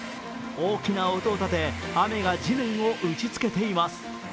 大きな音を立て、雨が地面を打ちつけています。